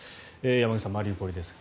山口さん、マリウポリです。